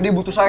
dia butuh saya